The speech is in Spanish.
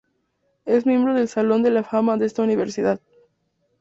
Es miembro del salón de la fama de esta universidad.